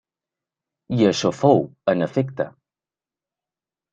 I això fou, en efecte.